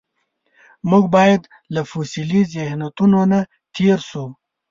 موږ باید له فوسیلي ذهنیتونو تېر شو.